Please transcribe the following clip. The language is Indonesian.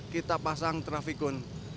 kita pasang trafikun